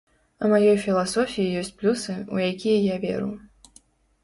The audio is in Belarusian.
У маёй філасофіі ёсць плюсы, у якія я веру.